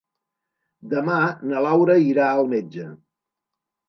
Demà na Laura irà al metge.